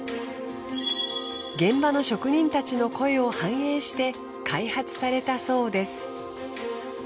現場の職人たちの声を反映して開発されたそうです。